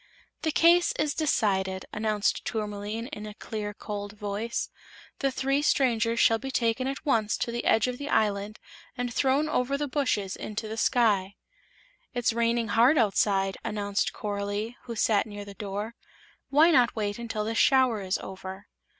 "The case is decided," announced Tourmaline, in a clear, cold voice. "The three strangers shall be taken at once to the edge of the island and thrown over the bushes into the sky." "It's raining hard outside," announced Coralie, who sat near the door; "why not wait until this shower is over?"